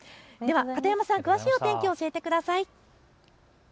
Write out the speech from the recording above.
では片山さん、詳しいお天気、教えてください。